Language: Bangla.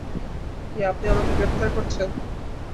কি, আপনি আমাকে গ্রেপ্তার করছেন?